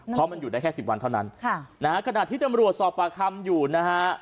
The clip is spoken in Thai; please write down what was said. เพราะมันอยู่ได้แค่สิบวันเท่านั้นค่ะนะฮะขณะที่ตำรวจสอบปากคำอยู่นะฮะ